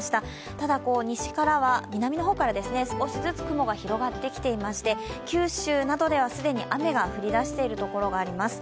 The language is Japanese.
ただ南の方から少しずつ雲が広がってきて九州などでは既に雨が降り出している所があります。